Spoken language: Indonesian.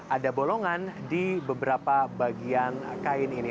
ada bolongan di beberapa bagian kain ini